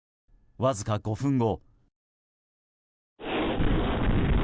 わずか５分後。